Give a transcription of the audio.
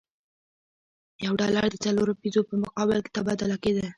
یو ډالر د څلورو پیزو په مقابل کې تبادله کېده.